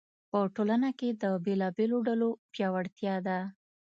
په ټولنه کې د بېلابېلو ډلو پیاوړتیا ده.